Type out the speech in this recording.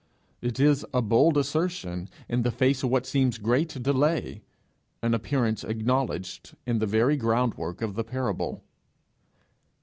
It is a bold assertion in the face of what seems great delay an appearance acknowledged in the very groundwork of the parable.